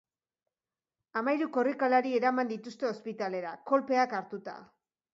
Hamahiru korrikalari eraman dituzte ospitalera, kolpeak hartuta.